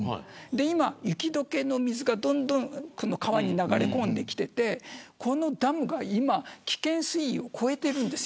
今、雪解けの水がどんどん川に流れ込んできていてこのダムが危険水位を超えてるんです。